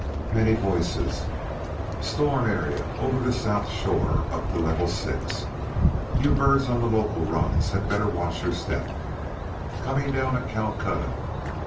Many voices: "Storm area, over the South shore up to Level Six. You birds on the local runs had better watch your step" ..." coming down at Calcutta.